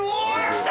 きた！